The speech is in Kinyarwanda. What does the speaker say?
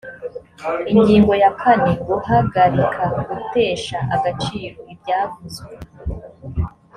ingingo ya kane guhagarika gutesha agaciro ibyavuzwe